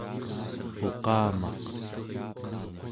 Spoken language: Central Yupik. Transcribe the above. uqamaq